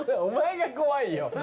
お前が怖いよ。